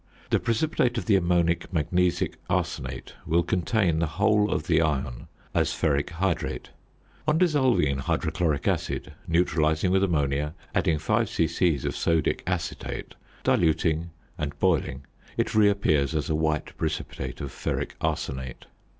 The precipitate of the ammonic magnesic arsenate will contain the whole of the iron as ferric hydrate. On dissolving in hydrochloric acid, neutralising with ammonia, adding 5 c.c. of sodic acetate, diluting, and boiling, it reappears as a white precipitate of ferric arsenate.